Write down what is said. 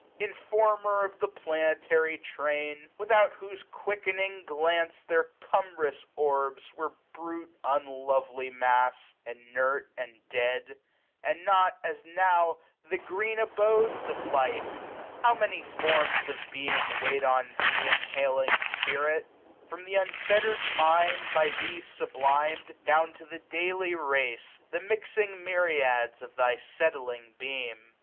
Informer pf the planetary train ! Without whose quickening glance their cumbrous orbs Were brute unlovely mass, inert and dead ; 106 And not, as now, the green abodes of life. How many forms of being wait on thee. Inhaling spirit I from th' unfettered mind. By thee sublim'd, down to the daily race, no The mixing myriads of thy setting beam* 54 SUMMER.